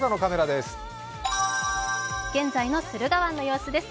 現在の駿河湾の様子です。